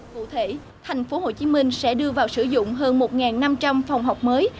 cụ thể thành phố hồ chí minh sẽ đưa vào sử dụng hơn một năm trăm linh phòng học mới